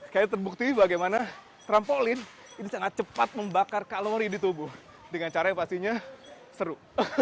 kayaknya terbukti bagaimana trampolin ini sangat cepat membakar kalori di tubuh dengan cara yang pastinya seru